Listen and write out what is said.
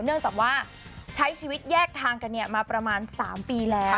เนื่องจากว่าใช้ชีวิตแยกทางกันมาประมาณ๓ปีแล้ว